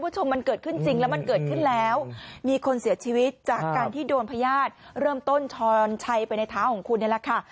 คุณผู้ชมมันเกิดขึ้นจริงแล้วมันเกิดขึ้นแล้วมีคนเสียชีวิตจากการที่โดนพญาติเริ่มต้นชรชัยไปในเท้าของคุณนี่แหละค่ะ